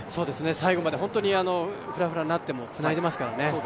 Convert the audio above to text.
最後までふらふらになってもつないでますからね。